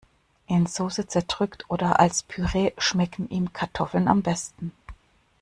In Soße zerdrückt oder als Püree schmecken ihm Kartoffeln am besten.